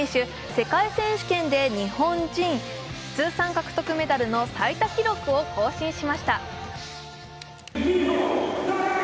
世界選手権で日本人通算獲得メダルの最多記録を更新しました。